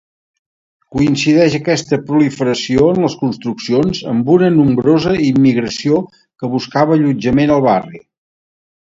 Coincideix aquesta proliferació en les construccions amb una nombrosa immigració que buscava allotjament al barri.